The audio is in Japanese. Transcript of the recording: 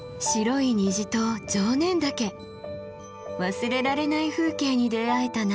忘れられない風景に出会えたな。